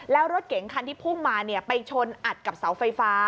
แล้วรถเก๋งคันที่พุ่งมาไปชนอัดกับเสาไฟฟ้า